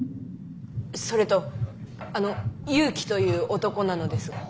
それとあの祐樹という男なのですが。